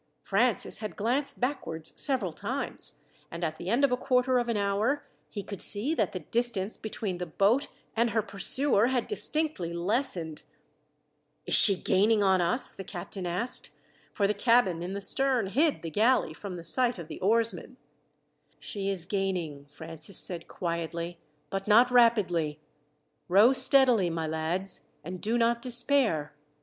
Francis had glanced backwards several times, and at the end of a quarter of an hour, he could see that the distance between the boat and her pursuer had distinctly lessened. "Is she gaining on us?" the captain asked, for the cabin in the stern hid the galley from the sight of the oarsmen. "She is gaining," Francis said quietly, "but not rapidly. Row steadily, my lads, and do not despair.